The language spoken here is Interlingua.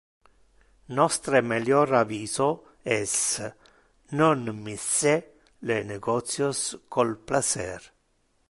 Nostre melior aviso es, non misce negotios con placer.